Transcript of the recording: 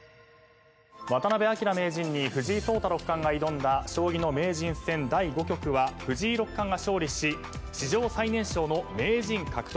「渡辺明名人に藤井聡太六冠が挑んだ将棋の名人戦第５局は藤井六冠が勝利し史上最年少の名人獲得」